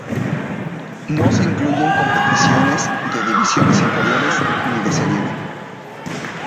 No se incluyen competiciones de divisiones inferiores ni de Serie "B".